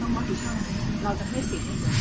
ไม่ต่อไป